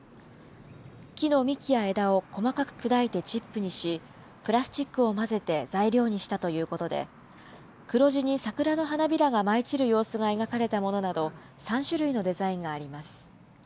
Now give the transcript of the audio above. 木の幹や枝を細かく砕いてチップにし、プラスチックを混ぜて材料にしたということで、黒地に桜の花びらが舞い散る様子が描かれたものなど、３種類のデザインがあります。